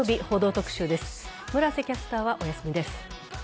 村瀬キャスターはお休みです。